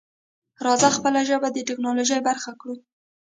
راځه خپله ژبه د ټکنالوژۍ برخه کړو.